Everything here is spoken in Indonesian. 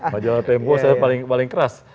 majalah tempo saya paling keras